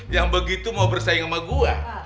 yang begitu mau bersaing sama gue